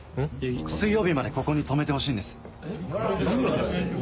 水曜日までここに泊めてほしいんです。